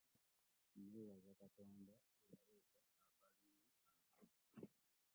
Nneebaza Katonda eyaleeta akalimu kano.